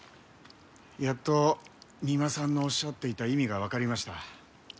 やっと三馬さんのおっしゃっていた意味がわかりました。